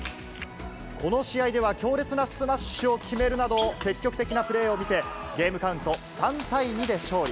この試合では強烈なスマッシュを決めるなど、積極的なプレーを見せ、ゲームカウント３対２で勝利。